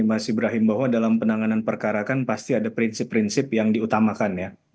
mas ibrahim bahwa dalam penanganan perkara kan pasti ada prinsip prinsip yang diutamakan ya